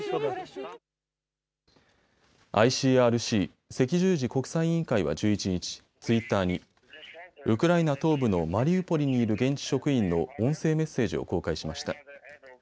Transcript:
ＩＣＲＣ・赤十字国際委員会は１１日、ツイッターにウクライナ東部のマリウポリにいる現地職員の音声メッセージを公開しました。